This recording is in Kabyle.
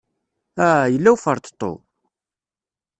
Ah, yella uferṭeṭṭu!